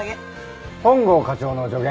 本郷課長の助言？